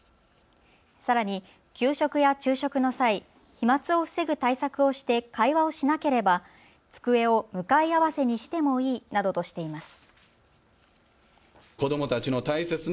さらに給食や昼食の際、飛まつを防ぐ対策をして会話をしなければ机を向かい合わせにしてもいいなどとしています。